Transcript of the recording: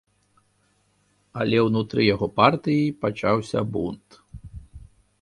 Але ўнутры яго партыі пачаўся бунт.